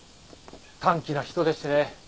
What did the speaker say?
短気な人でしてね